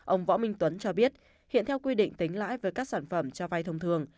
ông võ minh tuấn cho biết hiện theo quy định tính lãi với các sản phẩm cho vay thông thường